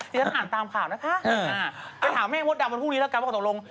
และฉันอ่านตามข่าวนะคะเดี๋ยวถามเมฆพ่อดามพวกนี้กันว่าก็ตรง